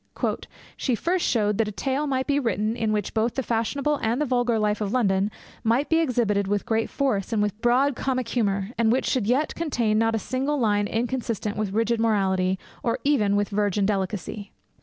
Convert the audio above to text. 'She first showed that a tale might be written in which both the fashionable and the vulgar life of London might be exhibited with great force, and with broad comic humour, and which should yet contain not a single line inconsistent with rigid morality, or even with virgin delicacy.